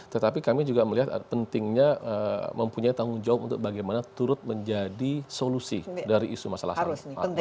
tetapi kami juga melihat pentingnya mempunyai tanggung jawab untuk bagaimana turut menjadi solusi dari isu masalah